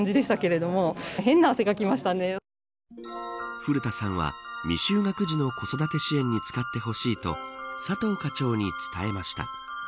古田さんは、未就学児の子育て支援に使ってほしいと佐藤課長に伝えました。